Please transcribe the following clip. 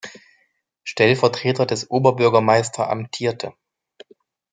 Stellvertreter des Oberbürgermeister amtierte.